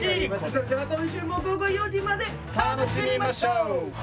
それでは今週も午後４時まで楽しみましょう！